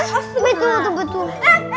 hah betul tuh betul